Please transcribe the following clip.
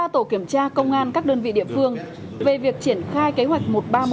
ba tổ kiểm tra công an các đơn vị địa phương về việc triển khai kế hoạch một nghìn ba trăm một mươi bảy